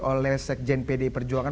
oleh sekjen pd perjuangan